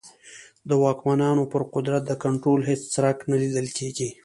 د واکمنانو پر قدرت د کنټرول هېڅ څرک نه لیدل کېږي.